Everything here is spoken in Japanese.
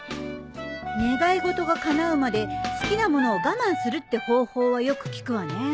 願い事がかなうまで好きな物を我慢するって方法はよく聞くわね。